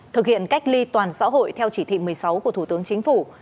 thực hiện cách ly toàn xã hội theo chỉ thị một mươi sáu của thủ tướng chính phủ